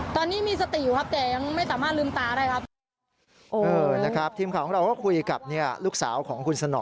ทีมข่าวของเราก็คุยกับลูกสาวของคุณสน